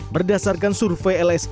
berdasarkan survei lsk